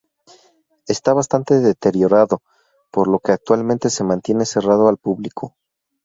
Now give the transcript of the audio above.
Está bastante deteriorado, por lo que actualmente se mantiene cerrado al público.